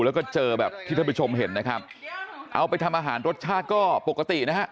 แล้วก็เจอแบบที่ท่านผู้ชมเห็นนะครับเอาไปทำอาหารรสชาติก็ปกตินะฮะ